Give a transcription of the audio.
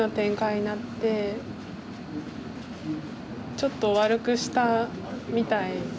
ちょっと悪くしたみたい。